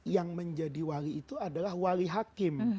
yang menjadi wali itu adalah wali hakim